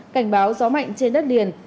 cảnh báo gió mạnh trên đất liền